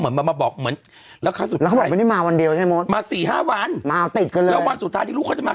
แล้วเขาบอกว่าไม่ได้มาวันเดียวใช่ไหมโมทมาสี่ห้าวันแล้ววันสุดท้ายที่ลูกเขาจะมา